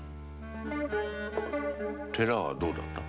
寺はどうだった？